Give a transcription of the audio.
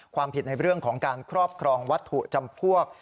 ความผิดในเรื่องของการครอบครองวัตถุจำพวก